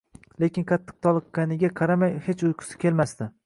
. Lekin qattiq toliqqaniga qaramay hech uyqusi kelmasdi.